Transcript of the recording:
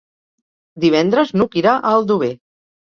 Divendres n'Hug irà a Aldover.